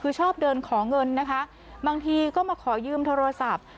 คือชอบเดินขอเงินนะคะบางทีก็มาขอยืมโทรศัพท์